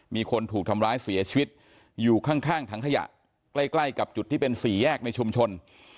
มีคนถูกทำร้ายเสียชีวิตอยู่ข้างถังขยะใกล้ใกล้กับจุดที่เป็นสี่แยกในชุมชน